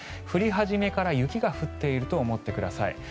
降り始めから雪が降っていると思ってください。